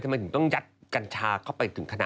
ทำไมถึงต้องยัดกัญชาเข้าไปถึงขนาด